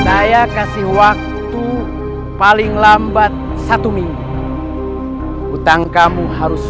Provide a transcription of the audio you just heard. saya kasih waktu paling lambat per seminggu